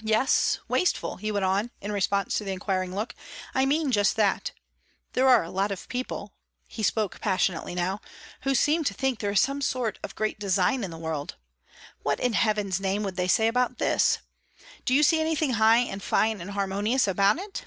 "Yes wasteful!" he went on, in response to the inquiring look. "I mean just that. There are a lot of people," he spoke passionately now, "who seem to think there is some sort of great design in the world. What in heaven's name would they say about this? Do you see anything high and fine and harmonious about it?"